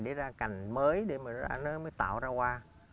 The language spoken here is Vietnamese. để ra cành mới để mà nó nó mới tạo ra hoa